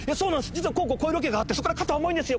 実はこうこうこういうロケがあってそこから肩重いんですよ！